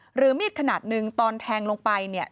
หรือมีดขนาดหนึ่งตอนแทงลงไปเนี่ย